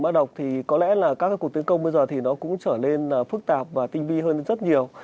với cái đặc thù các cuộc tấn công về sử dụng mã độc thì có lẽ là các cuộc tấn công bây giờ thì nó cũng trở nên phức tạp và tinh vi hơn rất nhiều